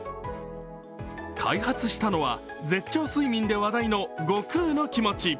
開発したのは絶頂睡眠で話題の悟空のきもち。